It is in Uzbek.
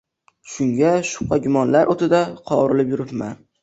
Shunga shubha-gumonlar o`tida qovurilib yuribman